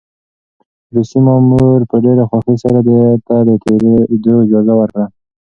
روسي مامور په ډېرې خوښۍ سره ده ته د تېرېدو اجازه ورکړه.